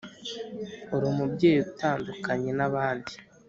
uri umubyeyi utandukanye nabandi.